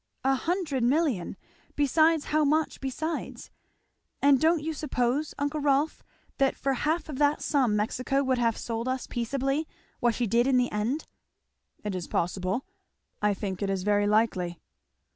"A hundred million! besides how much besides! And don't you suppose, uncle Rolf, that for half of that sum Mexico would have sold us peaceably what she did in the end?" "It is possible I think it is very likely."